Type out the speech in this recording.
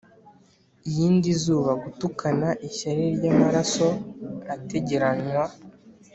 iyindi zuba, gutukana ishyari ryamaraso atagereranywa.